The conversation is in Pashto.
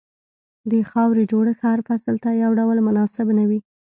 د خاورې جوړښت هر فصل ته یو ډول مناسب نه وي.